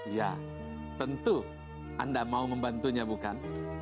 ya tentu anda mau membantunya bukan